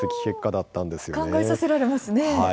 考えさせられますね。